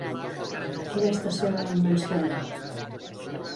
Quina estació de l'any menciona?